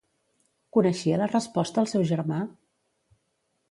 Coneixia la resposta el seu germà?